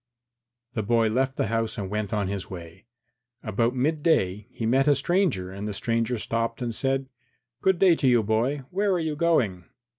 III The boy left the house and set out on his way. About midday he met a stranger and the stranger stopped and said, "Good day to you, boy. Where are you going?"